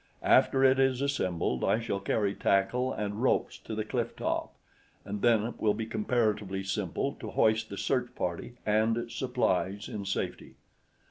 After it is assembled, I shall carry tackle and ropes to the cliff top, and then it will be comparatively simple to hoist the search party and its supplies in safety.